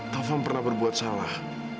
taufan pernah berbuat salah